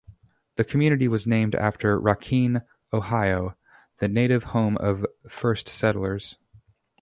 The community was named after Racine, Ohio, the native home of first settlers.